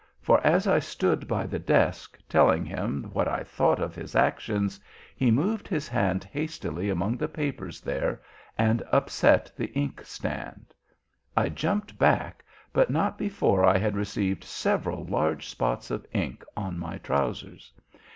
For as I stood by the desk, telling him what I thought of his actions, he moved his hand hastily among the papers there and upset the ink stand. I jumped back, but not before I had received several large spots of ink on my trousers.